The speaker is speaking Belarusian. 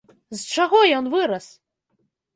З чаго ён вырас?